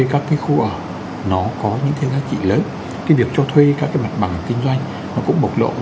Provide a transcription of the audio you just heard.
cá nhân tổ chức cho thuê văn phòng